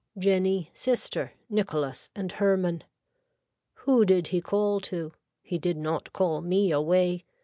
Jenny, sister, Nicholas and Hermann. Who did he call to. He did not call me away.